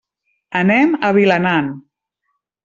Anem a Vilanant.